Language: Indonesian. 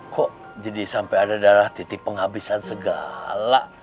kok jadi sampai ada darah titik penghabisan segala